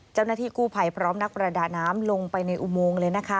เจ้าหน้าที่กู้ภัยพร้อมนักประดาน้ำลงไปในอุโมงเลยนะคะ